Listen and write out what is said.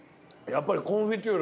やっぱり。